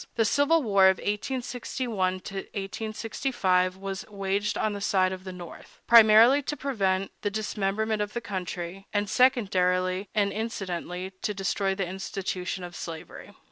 The civil war of 1861 65 was waged, on the side of the North, primarily, to prevent the dismemberment of the country, and, secondarily and incidentally, to destroy the institution of slavery.